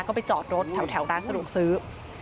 ก็ไปจอดรถแถวร้านสะดวกซื้อ